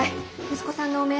息子さんの汚名